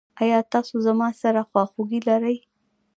ایا تاسو زما سره خواخوږي لرئ؟